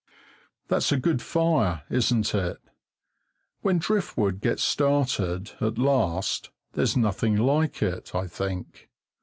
That's a good fire, isn't it? When driftwood gets started at last there's nothing like it, I think.